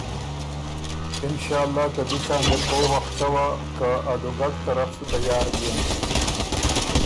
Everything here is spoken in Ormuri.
اِنشأاللّٰه که بی څان اِر او وخت څوا که ا دُوګډ طرف سُو تیار بيېن“